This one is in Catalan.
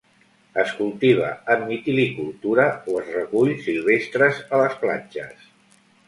Es cultiva en mitilicultura o es recull silvestres a les platges.